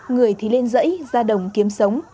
người thì lên dãy ra đồng kiếm sống